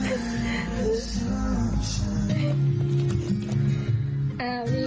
นานานตรวจมาตอนยิ้ม